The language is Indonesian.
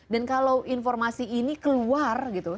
dan kalau informasi ini keluar